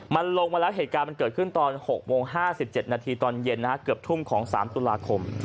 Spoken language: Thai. มันลงมาแล้วเหตุการณ์มันเกิดขึ้นตอน๖โมง๕๗นาทีตอนเย็นเกือบทุ่มของ๓ตุลาคม